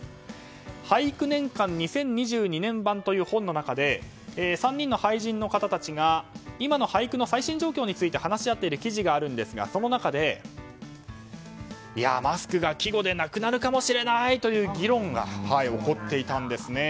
「俳句年鑑２０２２版」という本の中で、３人の俳人たちが今の俳句の最新状況について話し合っている記事があるんですが、その中でマスクが季語でなくなるかもという議論が起こっていたんですね。